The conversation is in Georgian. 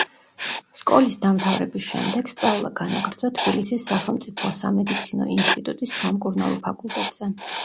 სკოლის დამთავრების შემდეგ სწავლა განაგრძო თბილისის სახელმწიფო სამედიცინო ინსტიტუტის სამკურნალო ფაკულტეტზე.